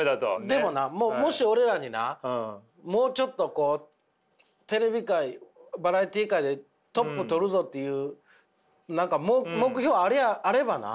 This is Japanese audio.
でもなもし俺らになもうちょっとテレビ界バラエティー界でトップ取るぞっていう何か目標あればな。